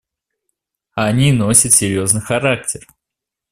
А они носят серьезный характер.